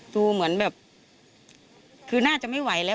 ดูเหมือนแบบคือน่าจะไม่ไหวแล้ว